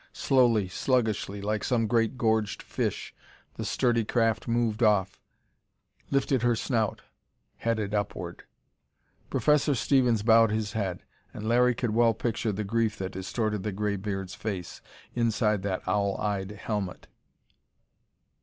Slowly, sluggishly, like some great gorged fish, the sturdy craft moved off, lifted her snout, headed upward. Professor Stevens bowed his head, and Larry could well picture the grief that distorted the graybeard's face, inside that owl eyed helmet.